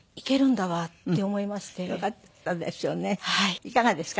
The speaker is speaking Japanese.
いかがですか？